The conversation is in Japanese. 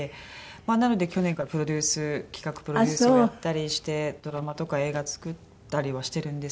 なので去年からプロデュース企画プロデュースをやったりしてドラマとか映画作ったりはしてるんですけど。